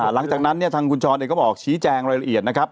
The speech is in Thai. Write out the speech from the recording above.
หลังจากนั้นเนี่ยทางคุณช้อนเองก็บอกชี้แจงรายละเอียดนะครับ